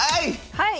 はい！